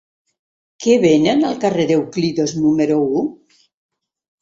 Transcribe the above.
Què venen al carrer d'Euclides número u?